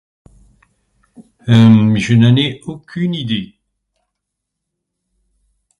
aucune idée